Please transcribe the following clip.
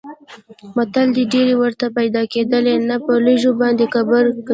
متل دی: ډېرې ورته پیدا کېدلې نه په لږو باندې کبر کوي.